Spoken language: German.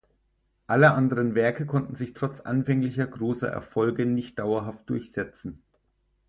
Alle anderen Werke konnten sich trotz anfänglicher großer Erfolge nicht dauerhaft durchsetzen.